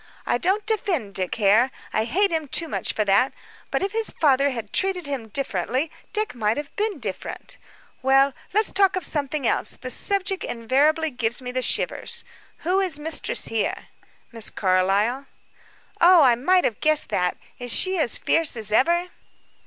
"I don't defend Dick Hare I hate him too much for that but if his father had treated him differently, Dick might have been different. Well, let's talk of something else; the subject invariably gives me the shivers. Who is mistress here?" "Miss Carlyle." "Oh, I might have guessed that. Is she as fierce as ever?"